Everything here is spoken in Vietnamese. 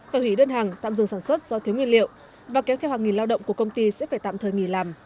phải hủy đơn hàng tạm dừng sản xuất do thiếu nguyên liệu và kéo theo hàng nghìn lao động của công ty sẽ phải tạm thời nghỉ làm